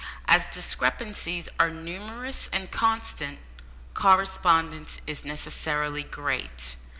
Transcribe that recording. As discrepancies are numerous and constant, correspondence is necessarily great.